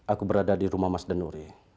aku berada di rumah mas denuri